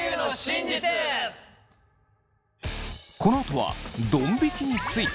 このあとはどん引きについて。